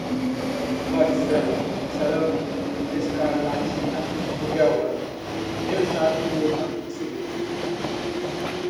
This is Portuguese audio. Varicela, Sarampo, Escarlatina, Rubéola, Exabtema Súbito